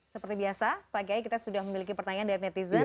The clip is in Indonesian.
seperti biasa pak kiai kita sudah memiliki pertanyaan dari netizen